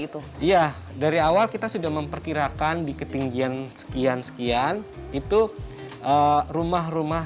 itu iya dari awal kita sudah memperkirakan di ketinggian sekian sekian itu rumah rumah